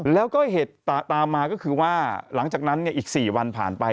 แล้วก็เหตุตามมาก็คือว่าหลังจากนั้นอีก๔วันผ่านไป